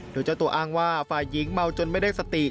โดยเจ้าตัวอ้างว่าฝ่ายหญิงเมาจนไม่ได้สติ